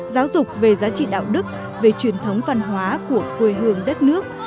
giáo dục về giá trị đạo đức về truyền thống văn hóa của quê hương đất nước